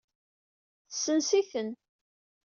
Tesens-iten.